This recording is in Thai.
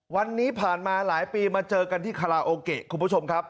วันนี้ผ่านมาหลายปีมาเจอกันที่คาราโอเกะคุณผู้ชมครับ